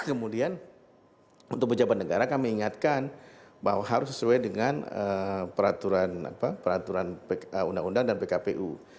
kemudian untuk pejabat negara kami ingatkan bahwa harus sesuai dengan peraturan undang undang dan pkpu